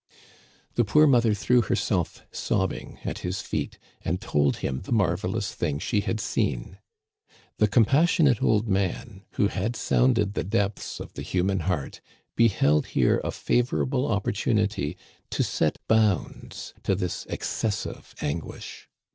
" The poor mother threw herself sobbing at his feet, and told him the marvelous thing she had seen. The compassionate old man, who had sounded the depths of •the human heart, beheld here a favorable opportunity to set bounds to this excessive anguish.